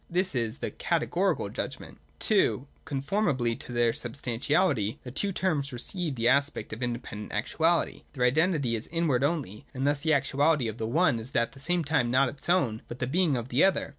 This is the Categorical judgment. (2) Conformably to their substantiality, the two terms receive the aspect of independent actuality. Their identity is then inward only ; and thus the actuality of the one is at the same time not its own, but the being of the other.